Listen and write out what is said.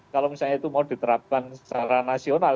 kalau misalnya itu mau diterapkan secara nasional